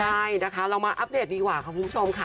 ใช่นะคะเรามาอัปเดตดีกว่าค่ะคุณผู้ชมค่ะ